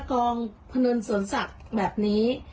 กองพนุนสวนศักดิ์แบบนี้